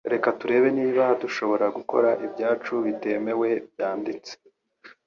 reka turebe niba dushobora gukora ibyacu bitemewe byanditse